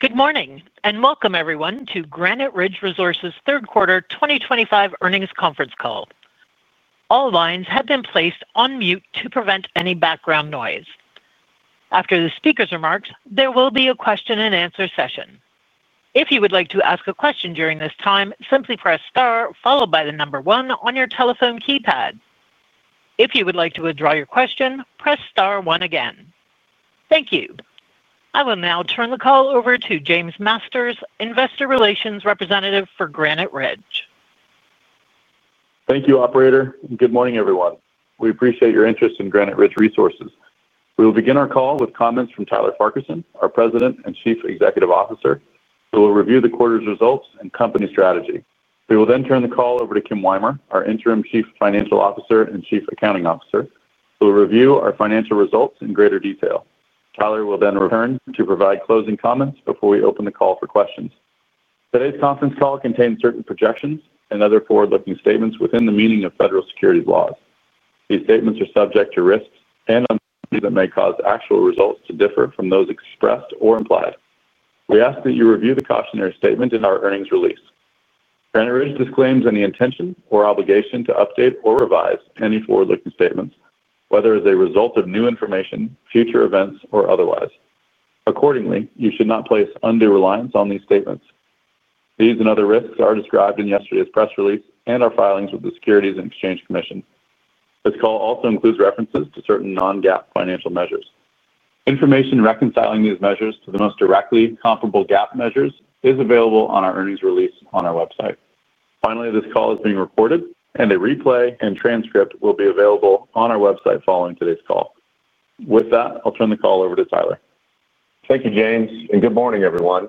Good morning and welcome, everyone, to Granite Ridge Resources' third quarter 2025 earnings conference call. All lines have been placed on mute to prevent any background noise. After the speaker's remarks, there will be a question-and-answer session. If you would like to ask a question during this time, simply press star followed by the number one on your telephone keypad. If you would like to withdraw your question, press star one again. Thank you. I will now turn the call over to James Masters, Investor Relations Representative for Granite Ridge. Thank you, Operator. Good morning, everyone. We appreciate your interest in Granite Ridge Resources. We will begin our call with comments from Tyler Farquharson, our President and Chief Executive Officer, who will review the quarter's results and company strategy. We will then turn the call over to Kim Weimer, our Interim Chief Financial Officer and Chief Accounting Officer, who will review our financial results in greater detail. Tyler will then return to provide closing comments before we open the call for questions. Today's conference call contains certain projections and other forward-looking statements within the meaning of federal securities laws. These statements are subject to risks and uncertainty that may cause actual results to differ from those expressed or implied. We ask that you review the cautionary statement in our earnings release. Granite Ridge disclaims any intention or obligation to update or revise any forward-looking statements, whether as a result of new information, future events, or otherwise. Accordingly, you should not place undue reliance on these statements. These and other risks are described in yesterday's press release and our filings with the Securities and Exchange Commission. This call also includes references to certain non-GAAP financial measures. Information reconciling these measures to the most directly comparable GAAP measures is available on our earnings release on our website. Finally, this call is being recorded, and a replay and transcript will be available on our website following today's call. With that, I'll turn the call over to Tyler. Thank you, James, and good morning, everyone.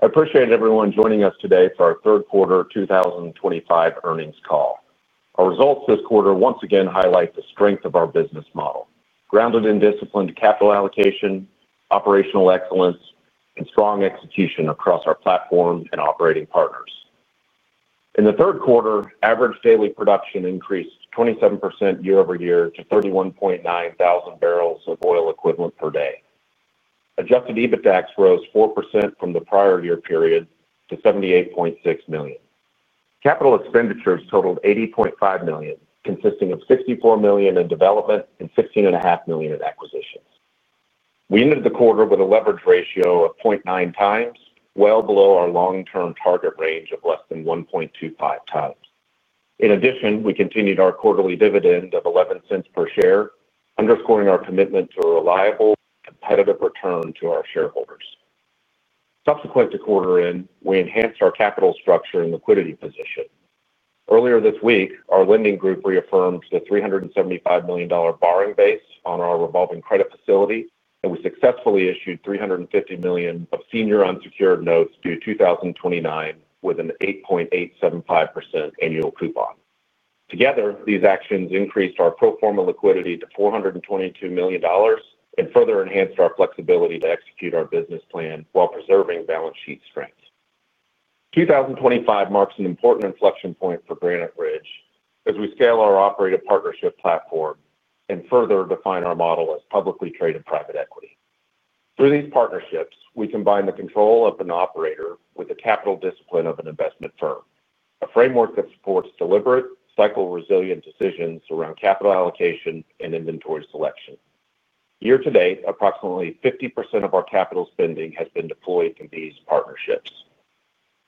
I appreciate everyone joining us today for our third quarter 2025 earnings call. Our results this quarter once again highlight the strength of our business model, grounded in disciplined capital allocation, operational excellence, and strong execution across our platform and operating partners. In the third quarter, average daily production increased 27% year over-year to 31,900 barrels of oil equivalent per day. Adjusted EBITDA grew 4% from the prior year period to $78.6 million. Capital expenditures totaled $80.5 million, consisting of $64 million in development and $16.5 million in acquisitions. We ended the quarter with a leverage ratio of 0.9 times, well below our long-term target range of less than 1.25 times. In addition, we continued our quarterly dividend of $0.11 per share, underscoring our commitment to a reliable, competitive return to our shareholders. Subsequent to quarter end, we enhanced our capital structure and liquidity position. Earlier this week, our lending group reaffirmed the $375 million borrowing base on our revolving credit facility, and we successfully issued $350 million of senior unsecured notes due 2029 with an 8.875% annual coupon. Together, these actions increased our pro forma liquidity to $422 million and further enhanced our flexibility to execute our business plan while preserving balance sheet strength. 2025 marks an important inflection point for Granite Ridge as we scale our operator partnership platform and further define our model as publicly traded private equity. Through these partnerships, we combine the control of an operator with the capital discipline of an investment firm, a framework that supports deliberate, cycle-resilient decisions around capital allocation and inventory selection. Year to date, approximately 50% of our capital spending has been deployed in these partnerships.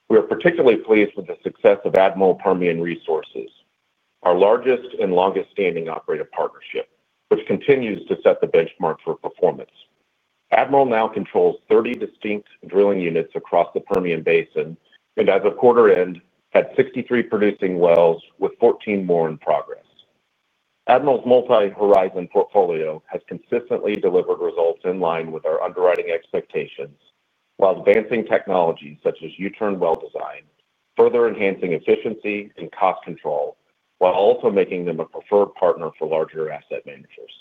We are particularly pleased with the success of Admiral Permian Resources, our largest and longest-standing operator partnership, which continues to set the benchmark for performance. Admiral now controls 30 distinct drilling units across the Permian Basin and, as of quarter end, had 63 producing wells with 14 more in progress. Admiral's multi-horizon portfolio has consistently delivered results in line with our underwriting expectations while advancing technologies such as U-turn well design, further enhancing efficiency and cost control, while also making them a preferred partner for larger asset managers.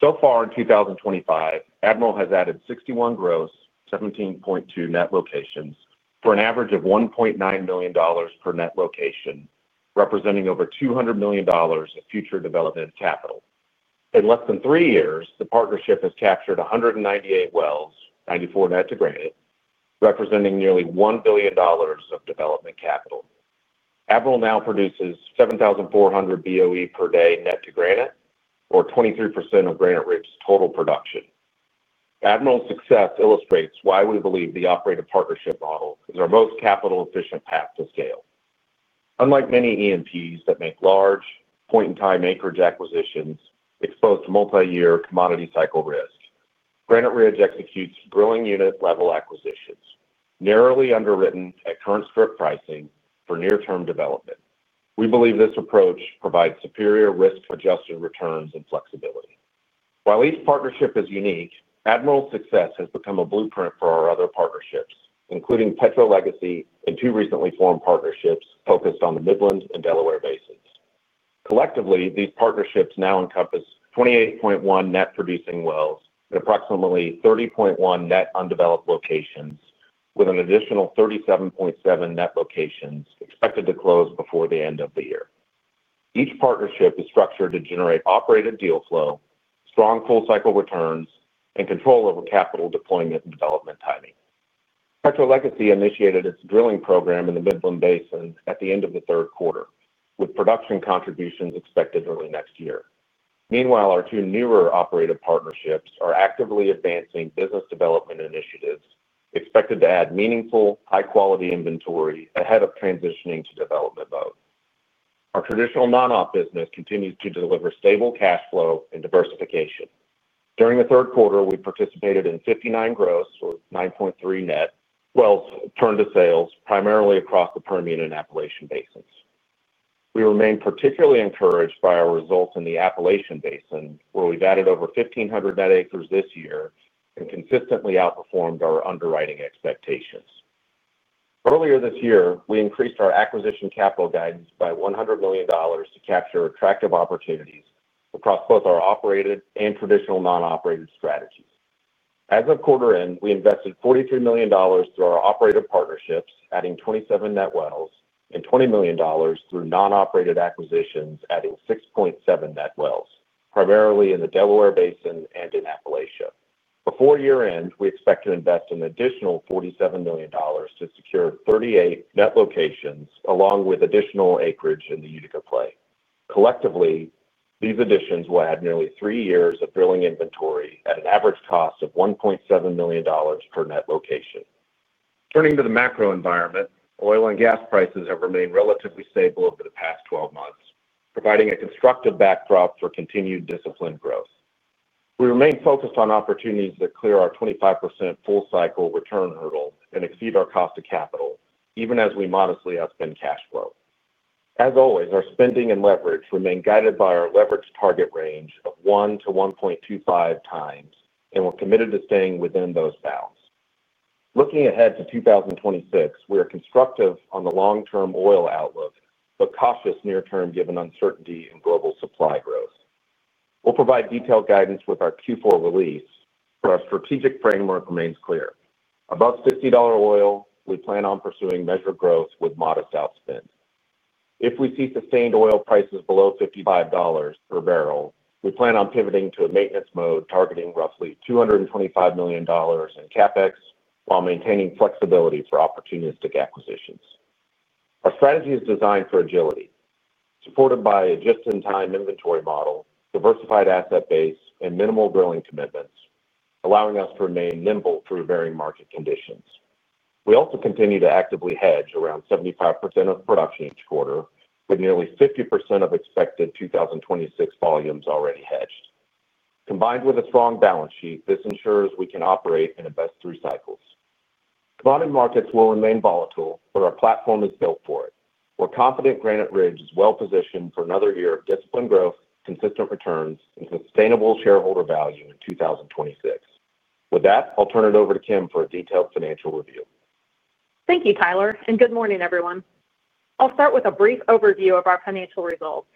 So far in 2025, Admiral has added 61 gross, 17.2 net locations for an average of $1.9 million per net location, representing over $200 million of future development capital. In less than three years, the partnership has captured 198 wells, 94 net to Granite Ridge, representing nearly $1 billion of development capital. Admiral now produces 7,400 BOE per day net to Granite, or 23% of Granite Ridge's total production. Admiral's success illustrates why we believe the operator partnership model is our most capital-efficient path to scale. Unlike many E&Ps that make large point-in-time acreage acquisitions exposed to multi-year commodity cycle risk, Granite Ridge executes drilling unit-level acquisitions narrowly underwritten at current strip pricing for near-term development. We believe this approach provides superior risk-adjusted returns and flexibility. While each partnership is unique, Admiral's success has become a blueprint for our other partnerships, including Petro Legacy and two recently formed partnerships focused on the Midland and Delaware Basins. Collectively, these partnerships now encompass 28.1 net producing wells at approximately 30.1 net undeveloped locations, with an additional 37.7 net locations expected to close before the end of the year. Each partnership is structured to generate operator deal flow, strong full-cycle returns, and control over capital deployment and development timing. Petro Legacy initiated its drilling program in the Midland Basin at the end of the third quarter, with production contributions expected early next year. Meanwhile, our two newer operator partnerships are actively advancing business development initiatives expected to add meaningful, high-quality inventory ahead of transitioning to development mode. Our traditional non-op business continues to deliver stable cash flow and diversification. During the third quarter, we participated in 59 gross, or 9.3 net wells turned to sales, primarily across the Permian and Appalachian Basins. We remain particularly encouraged by our results in the Appalachian Basin, where we've added over 1,500 net acres this year and consistently outperformed our underwriting expectations. Earlier this year, we increased our acquisition capital guidance by $100 million to capture attractive opportunities across both our operated and traditional non-operated strategies. As of quarter end, we invested $43 million through our operator partnerships, adding 27 net wells, and $20 million through non-operated acquisitions, adding 6.7 net wells, primarily in the Delaware Basin and in Appalachia. Before year end, we expect to invest an additional $47 million to secure 38 net locations, along with additional acreage in the Utica Shale. Collectively, these additions will add nearly three years of drilling inventory at an average cost of $1.7 million per net location. Turning to the macro environment, oil and gas prices have remained relatively stable over the past 12 months, providing a constructive backdrop for continued discipline growth. We remain focused on opportunities that clear our 25% full-cycle return hurdle and exceed our cost of capital, even as we modestly outspend cash flow. As always, our spending and leverage remain guided by our leverage target range of 1-1.25 times, and we're committed to staying within those bounds. Looking ahead to 2026, we are constructive on the long-term oil outlook but cautious near-term given uncertainty in global supply growth. We'll provide detailed guidance with our Q4 release, but our strategic framework remains clear. Above $50 oil, we plan on pursuing measured growth with modest outspend. If we see sustained oil prices below $55 per barrel, we plan on pivoting to a maintenance mode targeting roughly $225 million in CapEx while maintaining flexibility for opportunistic acquisitions. Our strategy is designed for agility, supported by a just-in-time inventory model, diversified asset base, and minimal drilling commitments, allowing us to remain nimble through varying market conditions. We also continue to actively hedge around 75% of production each quarter, with nearly 50% of expected 2026 volumes already hedged. Combined with a strong balance sheet, this ensures we can operate and invest through cycles. Commodity markets will remain volatile, but our platform is built for it. We're confident Granite Ridge is well positioned for another year of disciplined growth, consistent returns, and sustainable shareholder value in 2026. With that, I'll turn it over to Kim for a detailed financial review. Thank you, Tyler, and good morning, everyone. I'll start with a brief overview of our financial results.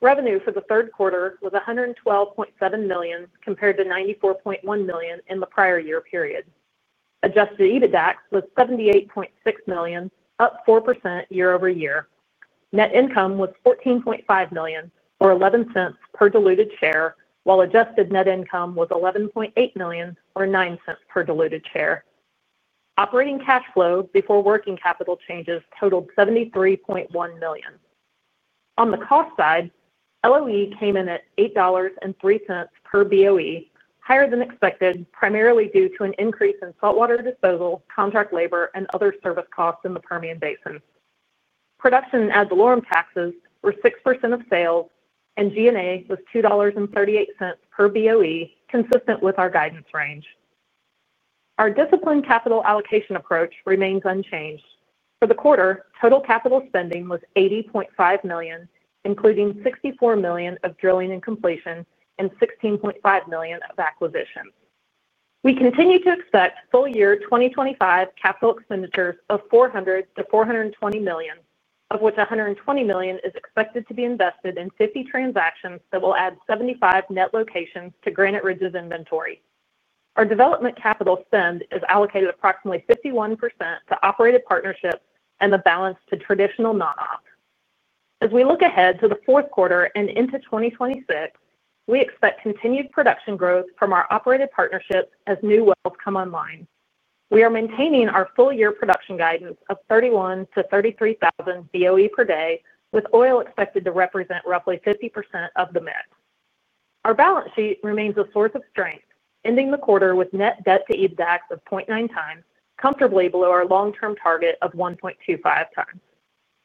Revenue for the third quarter was $112.7 million compared to $94.1 million in the prior year period. Adjusted EBITDA was $78.6 million, up 4% year-over-year. Net income was $14.5 million, or $0.11 per diluted share, while adjusted net income was $11.8 million, or $0.09 per diluted share. Operating cash flow before working capital changes totaled $73.1 million. On the cost side, LOE came in at $8.03 per BOE, higher than expected, primarily due to an increase in saltwater disposal, contract labor, and other service costs in the Permian Basin. Production and ad valorem taxes were 6% of sales, and G&A was $2.38 per BOE, consistent with our guidance range. Our disciplined capital allocation approach remains unchanged. For the quarter, total capital spending was $80.5 million, including $64 million of drilling and completion and $16.5 million of acquisitions. We continue to expect full year 2025 capital expenditures of $400-$420 million, of which $120 million is expected to be invested in 50 transactions that will add 75 net locations to Granite Ridge's inventory. Our development capital spend is allocated approximately 51% to operated partnerships and the balance to traditional non-op. As we look ahead to the fourth quarter and into 2026, we expect continued production growth from our operated partnerships as new wells come online. We are maintaining our full year production guidance of 31,000-33,000 BOE per day, with oil expected to represent roughly 50% of the net. Our balance sheet remains a source of strength, ending the quarter with net debt to EBITDA of 0.9 times, comfortably below our long-term target of 1.25 times.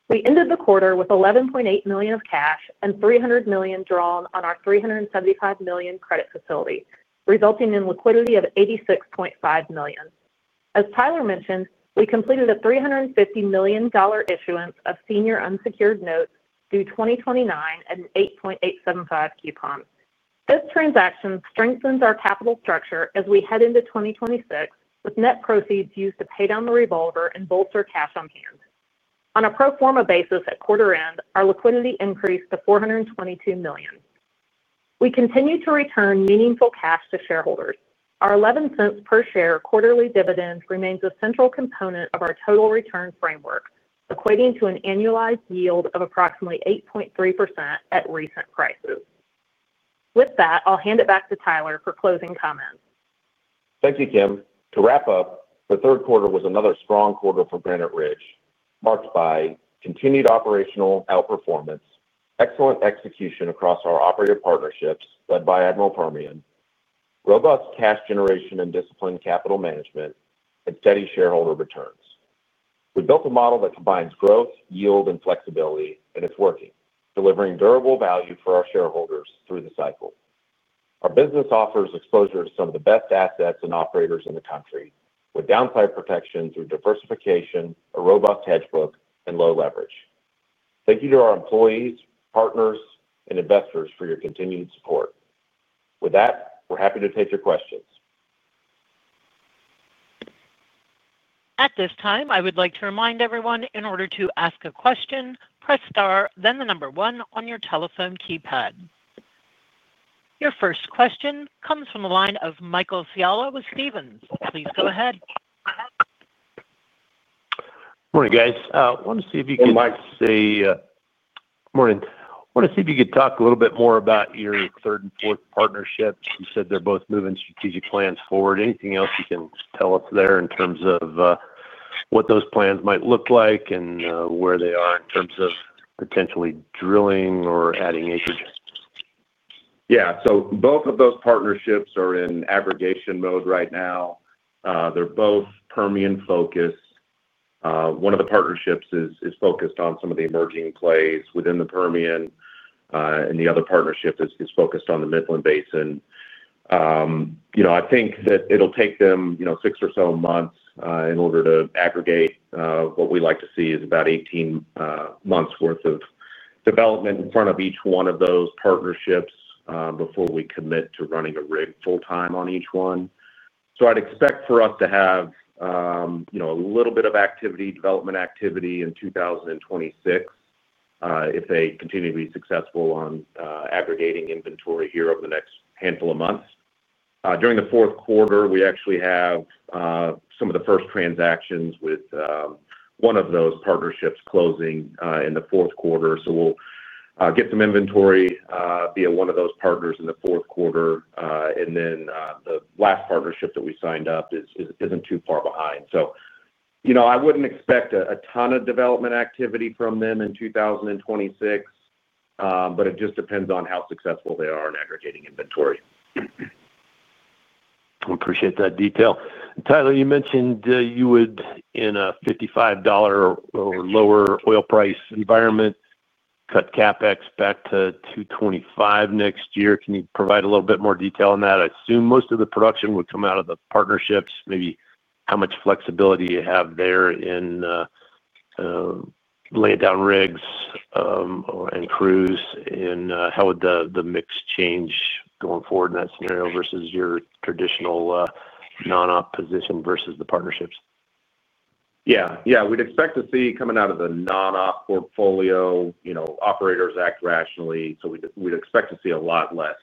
We ended the quarter with $11.8 million of cash and $300 million drawn on our $375 million credit facility, resulting in liquidity of $86.5 million. As Tyler mentioned, we completed a $350 million issuance of senior unsecured notes due 2029 at an 8.875% coupon. This transaction strengthens our capital structure as we head into 2026, with net proceeds used to pay down the revolver and bolster cash on hand. On a pro forma basis at quarter end, our liquidity increased to $422 million. We continue to return meaningful cash to shareholders. Our $0.11 per share quarterly dividend remains a central component of our total return framework, equating to an annualized yield of approximately 8.3% at recent prices. With that, I'll hand it back to Tyler for closing comments. Thank you, Kim. To wrap up, the third quarter was another strong quarter for Granite Ridge, marked by continued operational outperformance, excellent execution across our operator partnerships led by Admiral Permian, robust cash generation and disciplined capital management, and steady shareholder returns. We built a model that combines growth, yield, and flexibility, and it's working, delivering durable value for our shareholders through the cycle. Our business offers exposure to some of the best assets and operators in the country, with downside protection through diversification, a robust hedge book, and low leverage. Thank you to our employees, partners, and investors for your continued support. With that, we're happy to take your questions. At this time, I would like to remind everyone, in order to ask a question, press star, then the number one on your telephone keypad. Your first question comes from the line of Michael Scialla with Stephens. Please go ahead. Good morning, guys. I want to see if you could. Good morning. Say good morning. I want to see if you could talk a little bit more about your third and fourth partnerships. You said they're both moving strategic plans forward. Anything else you can tell us there in terms of what those plans might look like and where they are in terms of potentially drilling or adding acreage? Yeah. So both of those partnerships are in aggregation mode right now. They're both Permian-focused. One of the partnerships is focused on some of the emerging plays within the Permian, and the other partnership is focused on the Midland Basin. I think that it'll take them six or so months in order to aggregate. What we'd like to see is about 18 months' worth of development in front of each one of those partnerships before we commit to running a rig full-time on each one. I'd expect for us to have a little bit of activity, development activity in 2026 if they continue to be successful on aggregating inventory here over the next handful of months. During the fourth quarter, we actually have some of the first transactions with one of those partnerships closing in the fourth quarter. We'll get some inventory via one of those partners in the fourth quarter, and then the last partnership that we signed up isn't too far behind. I wouldn't expect a ton of development activity from them in 2026, but it just depends on how successful they are in aggregating inventory. We appreciate that detail. Tyler, you mentioned you would, in a $55 or lower oil price environment, cut CapEx back to $225 next year. Can you provide a little bit more detail on that? I assume most of the production would come out of the partnerships. Maybe how much flexibility you have there in laying down rigs and crews, and how would the mix change going forward in that scenario versus your traditional non-op position versus the partnerships? Yeah. Yeah. We'd expect to see coming out of the non-op portfolio, operators act rationally. We'd expect to see a lot less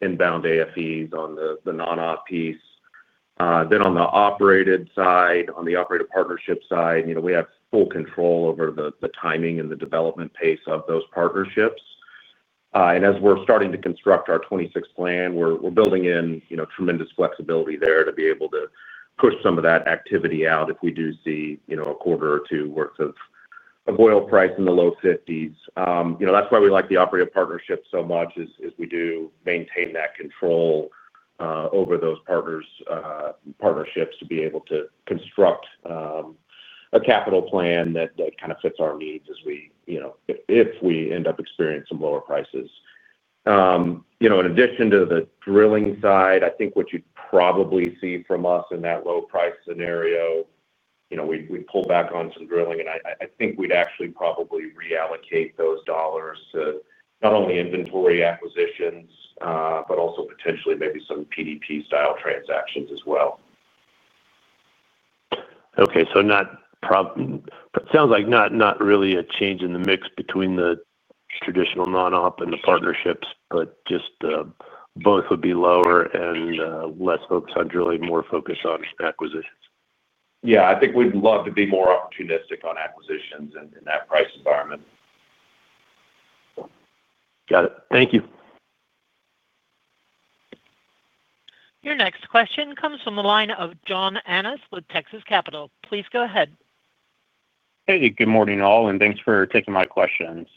inbound AFEs on the non-op piece. On the operated side, on the operator partnership side, we have full control over the timing and the development pace of those partnerships. As we're starting to construct our 2026 plan, we're building in tremendous flexibility there to be able to push some of that activity out if we do see a quarter or two worth of oil price in the low $50s. That's why we like the operator partnership so much, is we do maintain that control over those partnerships to be able to construct a capital plan that kind of fits our needs if we end up experiencing some lower prices. In addition to the drilling side, I think what you'd probably see from us in that low-price scenario, we'd pull back on some drilling, and I think we'd actually probably reallocate those dollars to not only inventory acquisitions, but also potentially maybe some PDP-style transactions as well. Okay. It sounds like not really a change in the mix between the traditional non-op and the partnerships, but just both would be lower and less focused on drilling, more focused on acquisitions. Yeah. I think we'd love to be more opportunistic on acquisitions in that price environment. Got it. Thank you. Your next question comes from the line of John Annis with Texas Capital. Please go ahead. Hey. Good morning, all, and thanks for taking my questions.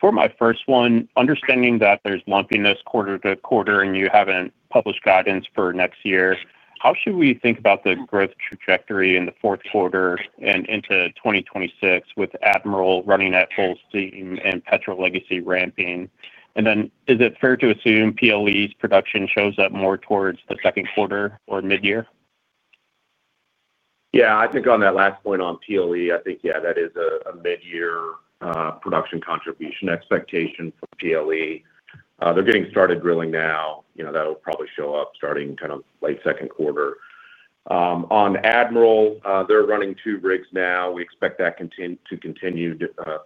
For my first one, understanding that there's lumpiness quarter to quarter and you haven't published guidance for next year, how should we think about the growth trajectory in the fourth quarter and into 2026 with Admiral running at full steam and Petro Legacy ramping? Is it fair to assume PLE's production shows up more towards the second quarter or mid-year? Yeah. I think on that last point on PLE, I think, yeah, that is a mid-year production contribution expectation for PLE. They're getting started drilling now. That'll probably show up starting kind of late second quarter. On Admiral, they're running two rigs now. We expect that to continue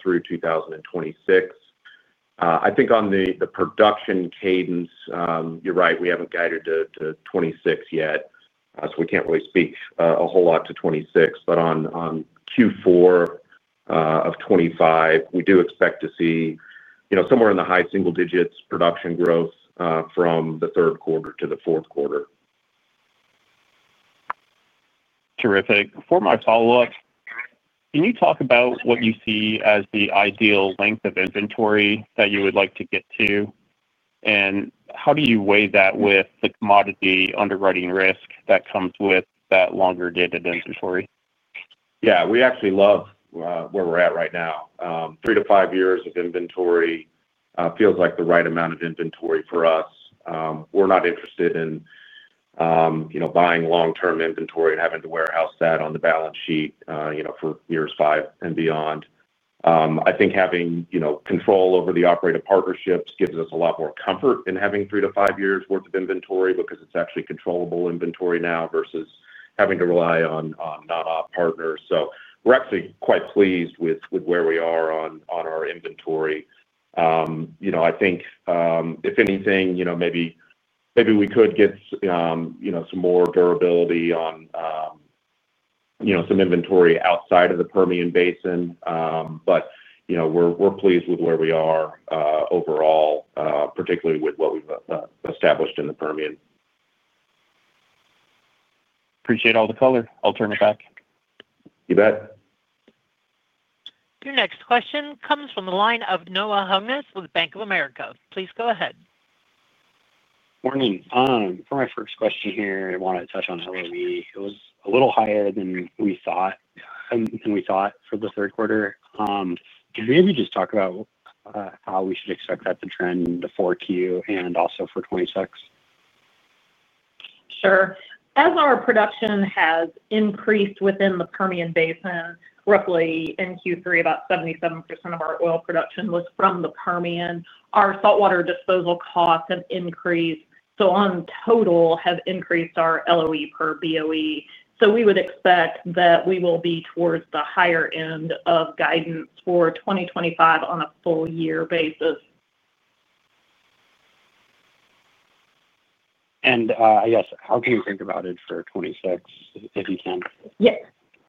through 2026. I think on the production cadence, you're right, we haven't guided to 2026 yet, so we can't really speak a whole lot to 2026. On Q4 of 2025, we do expect to see somewhere in the high single-digits production growth from the third quarter to the fourth quarter. Terrific. For my follow-up, can you talk about what you see as the ideal length of inventory that you would like to get to? How do you weigh that with the commodity underwriting risk that comes with that longer-dated inventory? Yeah. We actually love where we're at right now. Three to five years of inventory feels like the right amount of inventory for us. We're not interested in buying long-term inventory and having to warehouse that on the balance sheet for years five and beyond. I think having control over the operator partnerships gives us a lot more comfort in having three to five years' worth of inventory because it's actually controllable inventory now versus having to rely on non-op partners. So we're actually quite pleased with where we are on our inventory. I think, if anything, maybe we could get some more durability on some inventory outside of the Permian Basin, but we're pleased with where we are overall, particularly with what we've established in the Permian. Appreciate all the color. I'll turn it back. You bet. Your next question comes from the line of Noah Hungness with Bank of America. Please go ahead. Morning. For my first question here, I want to touch on LOE. It was a little higher than we thought for the third quarter. Can you maybe just talk about how we should expect that to trend for Q4 and also for 2026? Sure. As our production has increased within the Permian Basin, roughly in Q3, about 77% of our oil production was from the Permian. Our saltwater disposal costs have increased, so in total, have increased our LOE per BOE. We would expect that we will be towards the higher end of guidance for 2025 on a full-year basis. I guess, how can you think about it for 2026, if you can? Yes.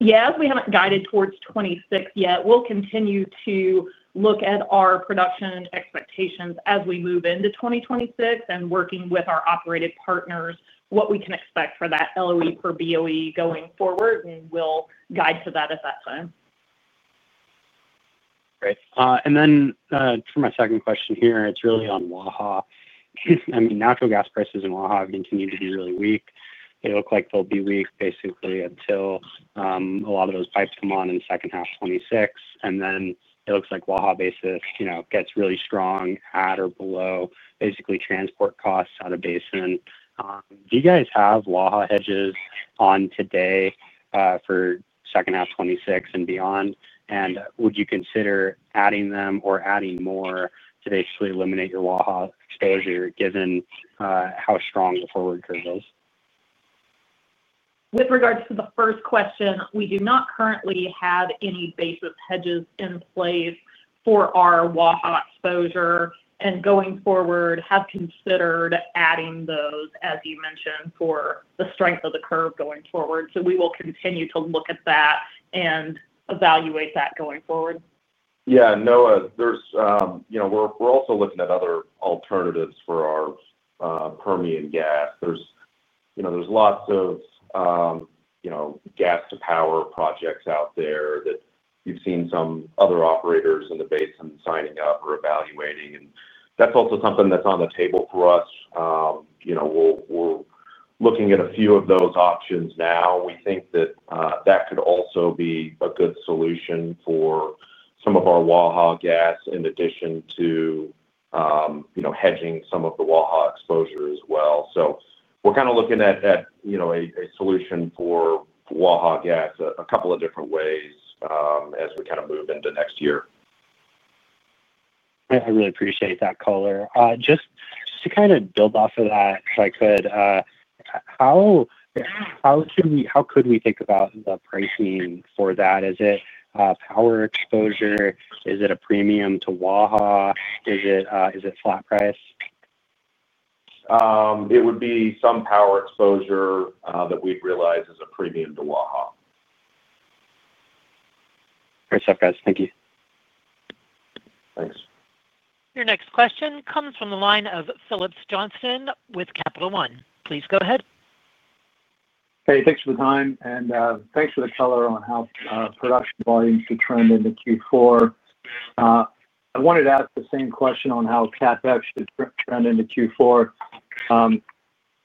We haven't guided towards 2026 yet. We'll continue to look at our production expectations as we move into 2026 and working with our operated partners, what we can expect for that LOE per BOE going forward, and we'll guide to that at that time. Great. For my second question here, it's really on Waha. I mean, natural gas prices in Waha continue to be really weak. They look like they'll be weak, basically, until a lot of those pipes come on in the second half of 2026. It looks like Waha Basis gets really strong at or below, basically, transport costs out of basin. Do you guys have Waha hedges on today for second half 2026 and beyond? Would you consider adding them or adding more to basically eliminate your Waha exposure, given how strong the forward curve is? With regards to the first question, we do not currently have any basis hedges in place for our Waha exposure, and going forward, have considered adding those, as you mentioned, for the strength of the curve going forward. We will continue to look at that and evaluate that going forward. Yeah. Noah, we're also looking at other alternatives for our Permian gas. There's lots of gas-to-power projects out there that we've seen some other operators in the basin signing up or evaluating. That's also something that's on the table for us. We're looking at a few of those options now. We think that that could also be a good solution for some of our Waha gas in addition to hedging some of the Waha exposure as well. We're kind of looking at a solution for Waha gas a couple of different ways as we kind of move into next year. I really appreciate that color. Just to kind of build off of that, if I could, how could we think about the pricing for that? Is it power exposure? Is it a premium to Waha? Is it flat price? It would be some power exposure that we'd realize is a premium to Waha. Great stuff, guys. Thank you. Thanks. Your next question comes from the line of Phillips Johnson with Capital One. Please go ahead. Hey, thanks for the time, and thanks for the color on how production volumes should trend into Q4. I wanted to ask the same question on how CapEx should trend into Q4.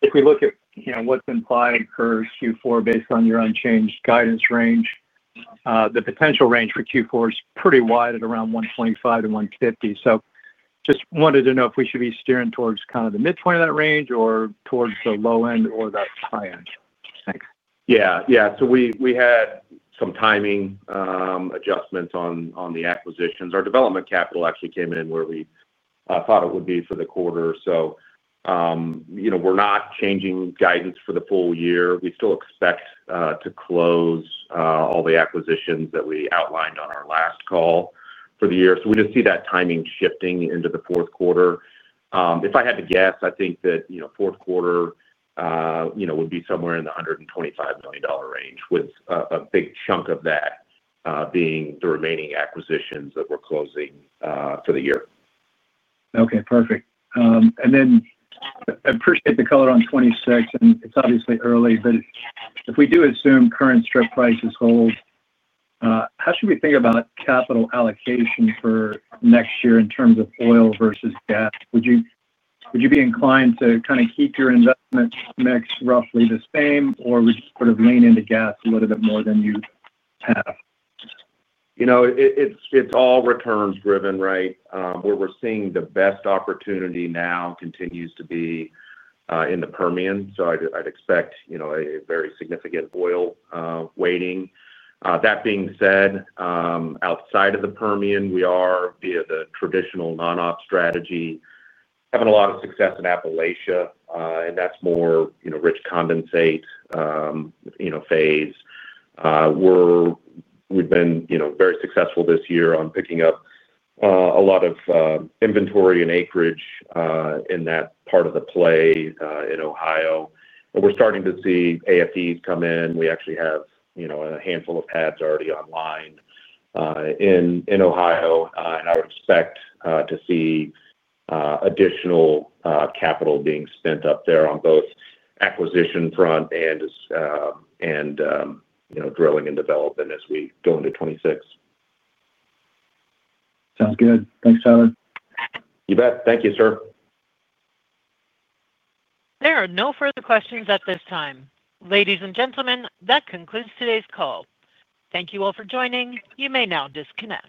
If we look at what's implied per Q4 based on your unchanged guidance range, the potential range for Q4 is pretty wide at around $125-$150. So just wanted to know if we should be steering towards kind of the midpoint of that range or towards the low end or the high end. Thanks. Yeah. Yeah. We had some timing adjustments on the acquisitions. Our development capital actually came in where we thought it would be for the quarter. We are not changing guidance for the full year. We still expect to close all the acquisitions that we outlined on our last call for the year. We just see that timing shifting into the fourth quarter. If I had to guess, I think that fourth quarter would be somewhere in the $125 million range, with a big chunk of that being the remaining acquisitions that we are closing for the year. Okay. Perfect. I appreciate the color on '26, and it's obviously early, but if we do assume current strip prices hold, how should we think about capital allocation for next year in terms of oil versus gas? Would you be inclined to kind of keep your investment mix roughly the same, or would you sort of lean into gas a little bit more than you have? It's all returns-driven, right? Where we're seeing the best opportunity now continues to be in the Permian. I'd expect a very significant oil weighting. That being said, outside of the Permian, we are, via the traditional non-op strategy, having a lot of success in Appalachia, and that's more rich condensate phase. We've been very successful this year on picking up a lot of inventory and acreage in that part of the play in Ohio. We're starting to see AFEs come in. We actually have a handful of pads already online in Ohio, and I would expect to see additional capital being spent up there on both acquisition front and drilling and development as we go into 2026. Sounds good. Thanks, Tyler. You bet. Thank you, sir. There are no further questions at this time. Ladies and gentlemen, that concludes today's call. Thank you all for joining. You may now disconnect.